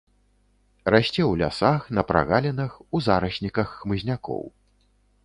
Расце ў лясах, на прагалінах, у зарасніках хмызнякоў.